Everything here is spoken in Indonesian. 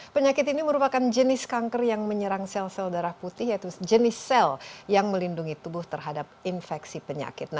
penyakit ini merupakan jenis kanker yang menyerang sel sel darah putih yaitu jenis sel yang melindungi tubuh terhadap infeksi penyakit